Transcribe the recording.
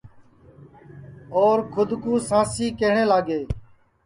اور کھود کُو سانسی کہٹؔے لاگے